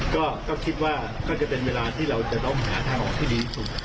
ก็คิดว่าก็จะเป็นเวลาที่เราจะต้องหาทางออกที่ดีที่สุด